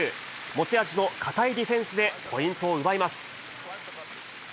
持ち味の堅いディフェンスでポイントを奪います。